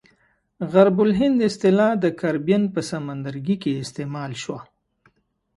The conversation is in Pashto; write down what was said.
غرب الهند اصطلاح د کاربین په سمندرګي کې استعمال شوه.